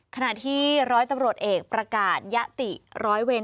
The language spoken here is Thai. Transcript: ขณะที่ร้อยตำรวจเอกประกาศยะติร้อยเวร